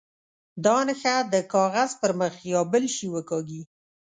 دا نښه د کاغذ پر مخ یا بل شي وکاږي.